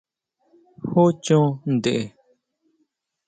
¿Jú chon ntʼe?